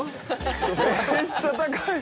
めっちゃ高い。